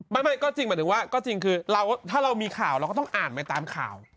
ไม่ก็จริงหมายถึงว่าก็จริงคือถ้าเรามีข่าวเราก็ต้องอ่านไปตามข่าว